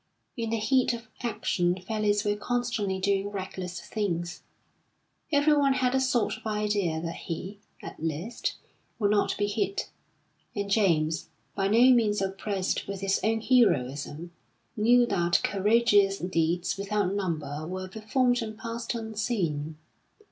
In the heat of action fellows were constantly doing reckless things. Everyone had a sort of idea that he, at least, would not be hit; and James, by no means oppressed with his own heroism, knew that courageous deeds without number were performed and passed unseen.